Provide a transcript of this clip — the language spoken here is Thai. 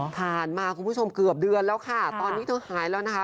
มาคุณผู้ชมเกือบเดือนแล้วค่ะตอนนี้เธอหายแล้วนะคะ